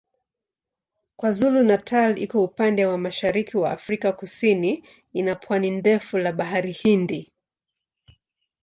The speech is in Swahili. KwaZulu-Natal iko upande wa mashariki wa Afrika Kusini ina pwani ndefu la Bahari Hindi.